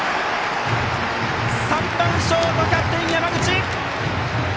３番ショート、キャプテン山口。